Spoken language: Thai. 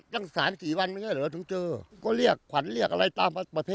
น้องเนี่ยเอาของเหนียนไปเรียกมาตัวด้วย